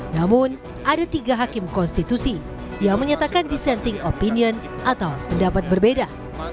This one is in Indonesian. namun ada tiga hakim konstitusi yang menyatakan dissenting opinion atau pendapat berbeda